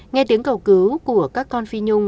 nghe tiếng cầu cứu của các con phi nhung